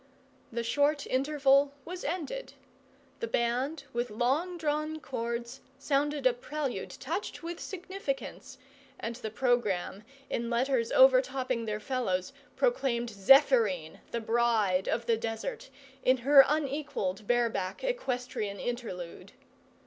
The short interval was ended: the band, with long drawn chords, sounded a prelude touched with significance; and the programme, in letters overtopping their fellows, proclaimed Zephyrine, the Bride of the Desert, in her unequalled bareback equestrian interlude.